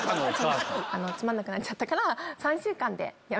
つまんなくなっちゃったから。